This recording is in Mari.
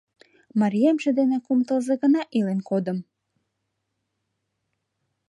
Мариемже дене кум тылзе гына илен кодым.